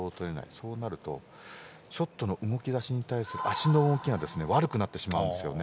そうなるとショットの動き出しに対する足の動きが悪くなってしまうんですよね。